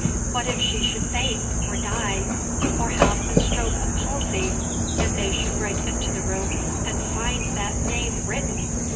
What if she should faint, or die, or have a stroke of palsy, and they should break into the room and find that name written!